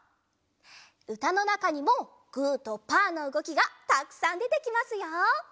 うたのなかにもグーとパーのうごきがたくさんでてきますよ。